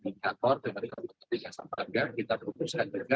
dan dengan konteksnya sama dengan kita putuskan juga